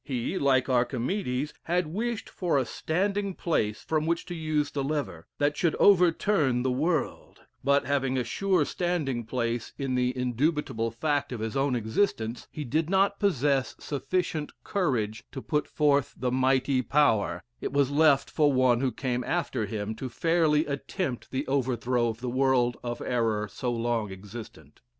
He, like Archimedes, had wished for a standing place from which to use the lever, that should overturn the world; but, having a sure standing place in the indubitable fact of his own existence, he did not possess sufficient courage to put forth the mighty power it was left for one who came after him to fairly attempt the over throw of the world of error so long existent.